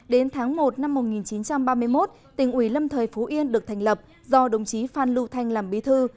đến tháng một năm một nghìn chín trăm ba mươi một tỉnh ủy lâm thời phú yên được thành lập do đồng chí phan lưu thanh làm bí thư